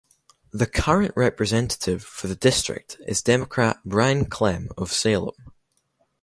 The current representative for the district is Democrat Brian Clem of Salem.